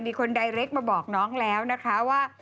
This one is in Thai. คนใดเล็กมาบอกน้องแล้วนะคะว่า